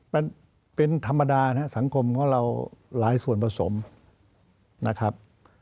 มันเป็นธรรมดานะครับสังคมของเราหลายส่วนผสมนะครับ